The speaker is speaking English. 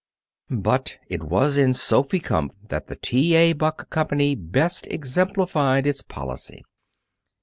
But it was in Sophy Kumpf that the T. A. Buck Company best exemplified its policy.